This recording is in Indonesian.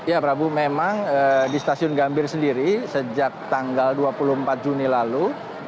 ya prabu memang di stasiun gambir sendiri sejak tanggal dua puluh empat juni lalu